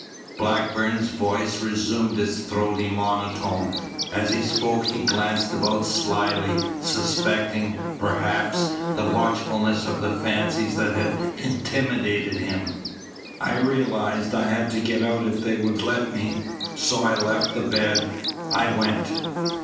Blackburn's voice resumed its throaty monotone. As he spoke he glanced about slyly, suspecting, perhaps, the watchfulness of the fancies that had intimidated him. "I realized I had to get out if they would let me. So I left the bed. I went."